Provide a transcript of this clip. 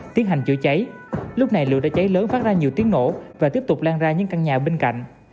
tiến hành chữa cháy lúc này lửa đã cháy lớn phát ra nhiều tiếng nổ và tiếp tục lan ra những căn nhà bên cạnh